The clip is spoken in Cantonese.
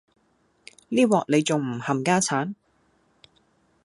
呢鑊你仲唔冚家鏟